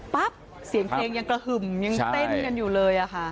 เสียงเพลงยังกระหึ่มยังเต้นกันอยู่เลยค่ะ